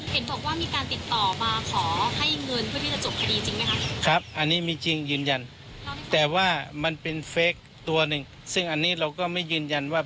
เห็นบอกว่ามีการติดต่อมาขอให้เงินเพื่อที่จะจบคดีจริงไหมคะ